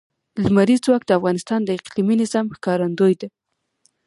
لمریز ځواک د افغانستان د اقلیمي نظام ښکارندوی ده.